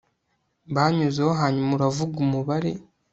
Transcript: banyuzeho hanyuma uravuga umubare